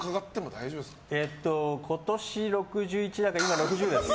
今年、６１だから今、６０です。